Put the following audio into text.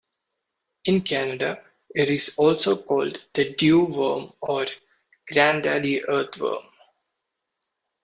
In Canada, it is also called the dew worm, or "Grandaddy Earthworm".